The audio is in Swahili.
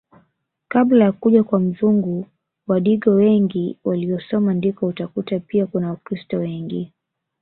Kabla ya kuja kwa mzungu Wadigo wengi waliosoma ndiko utakuta pia kuna wakiristo wengi